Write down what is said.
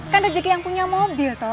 kan rezeki yang punya mobil